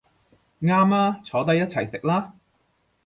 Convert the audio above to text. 啱吖，坐低一齊食啦